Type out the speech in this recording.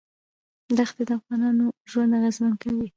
دښتې د افغانانو ژوند اغېزمن کوي.